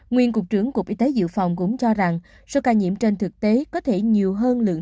nguyên cục trưởng cục y tế dự phòng cũng cho rằng số ca nhiễm trên thực tế có thể nhiều hơn lượng